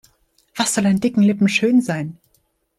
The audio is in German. Was soll an dicken Lippen schön sein?